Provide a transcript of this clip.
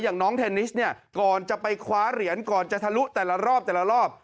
อย่างน้องเทนนิสเนี่ยก่อนจะไปคว้าเหรียญก่อนจะทะลุแต่ละรอบแต่ละรอบ